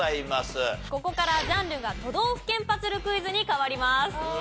ここからジャンルが都道府県パズルクイズに変わります。